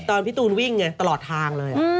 พี่ตูนวิ่งไงตลอดทางเลย